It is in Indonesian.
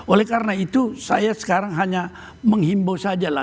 oleh karena itu saya sekarang hanya menghimbau saja lah